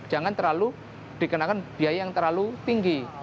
jangan terlalu dikenakan biaya yang terlalu tinggi